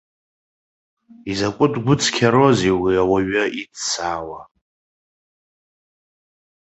Изакәытә гәыцқьароузеи уи ауаҩ иццауа!